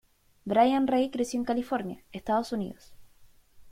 Brian Ray creció en California, Estados Unidos.